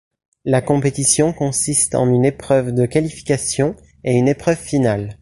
La compétition consiste en une épreuve de qualifications et une épreuve finale.